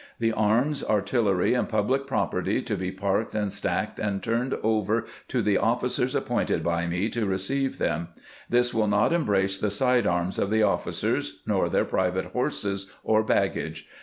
The arms, artillery, and public property to be parked and stacked and turned over to the officers appointed by me to receive them. This will not embrace the side arms of the officers, nor their private horses or baggage.